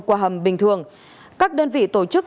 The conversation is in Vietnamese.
qua hầm bình thường các đơn vị tổ chức